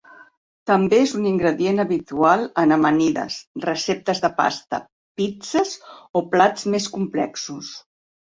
També és un ingredient habitual en amanides, receptes de pasta, pizzes o plats més complexos.